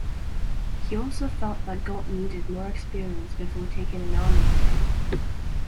He also felt that Gott needed more experience before taking an army command.